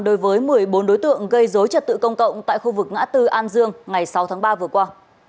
đối với một mươi bốn đối tượng gây dối trật tự công cộng tại khu vực ngã tư an dương ngày sáu tháng ba vừa qua